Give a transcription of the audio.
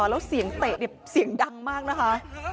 แล้วเสียงเตะเนี่ยเสียงดังมากนะคะ